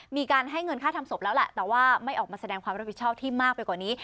มีการให้เงินค่าทำศพแล้วแหละแต่ว่าไม่ออกมาแสดงความรับผิดชอบที่มากไปกว่านี้